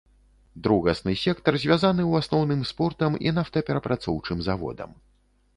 Другасны сектар звязаны ў асноўным з портам і нафтаперапрацоўчым заводам.